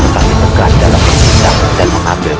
tapi tegas dalam kecintaan dan mengambilnya